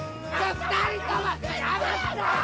２人ともやめて！